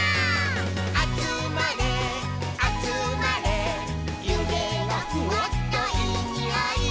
「あつまれあつまれゆげがフワッといいにおい」